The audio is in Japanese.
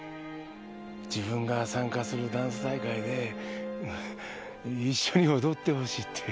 自分が参加するダンス大会で一緒に踊ってほしいって。